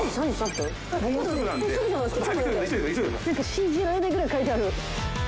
信じられないぐらい書いてある。